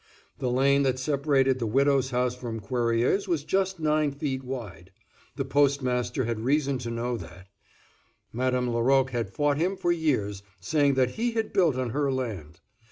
The lane that separated the widow's house from Cuerrier's was just nine feet wide. The postmaster had reason to know that; Madame Laroque had fought him for years, saying that he had built on her land.